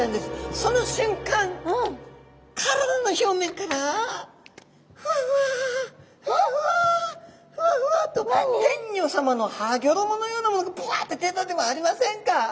その瞬間体の表面からふわふわふわふわふわふわっと天女さまのはギョろものようなものがバッと出たではありませんか！